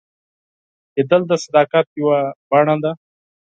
لیدل د صداقت یوه بڼه ده